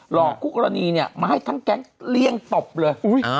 หลอกคู่กรณีมาให้ทั้งแก๊งเลี่ยงตบเลย